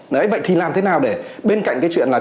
đấy vậy thì làm thế nào để bên cạnh cái chuyện là